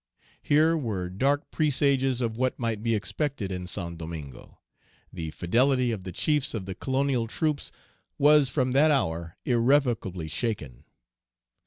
Here were dark presages of what might be expected in Saint Domingo. The fidelity of the chiefs of the colonial troops was from that hour irrevocably shaken.